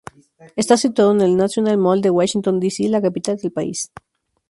Está situado en el National Mall de Washington D. C., la capital del país.